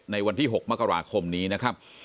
วันที่๖มกราคมนี้นะครับ